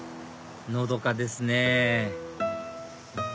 のどかですね